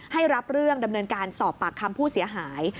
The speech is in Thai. รับเรื่องดำเนินการสอบปากคำผู้เสียหาย